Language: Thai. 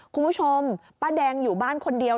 คุณผู้ชมป้าแดงอยู่บ้านคนเดียว